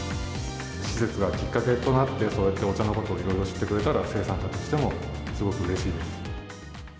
施設がきっかけとなって、そうやってお茶のことをいろいろと知ってくれたら、生産者としてもすごくうれしいです。